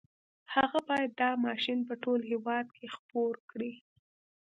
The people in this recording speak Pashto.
هغه بايد دا ماشين په ټول هېواد کې خپور کړي.